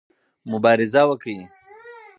مبارزه وکړئ.